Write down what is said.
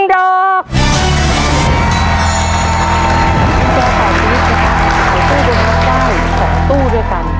กุญแจต่อชีวิต๒ได้๒ตู้ด้วยกัน